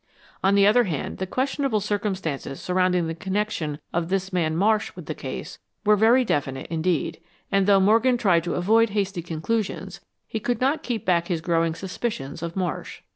On the other hand, the questionable circumstances surrounding the connection of this man Marsh with the case, were very definite, indeed, and though Morgan tried to avoid hasty conclusions, he could not keep back his growing suspicions of Marsh.